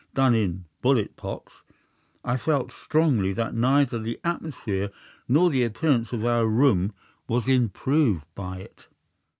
R. done in bullet pocks, I felt strongly that neither the atmosphere nor the appearance of our room was improved by it.